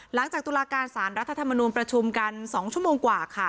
หลังจากตุลาการสารรัฐธรรมนุมประชุมกัน๒ชั่วโมงกว่า